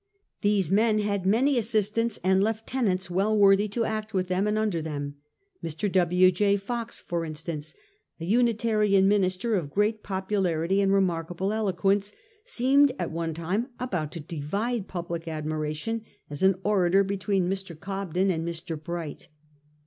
These men had many assistants and lieutenants well worthy to act with them and under them. Mr. W. J. Fox, for instance, a Unitarian minister of great popularity and remarkable eloquence, seemed at one time almost to divide public admiration as an orator with Mr. Cobden and Mr. Bright.